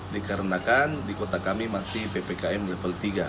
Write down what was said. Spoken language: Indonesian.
dikarenakan di kota kami masih ppkm level tiga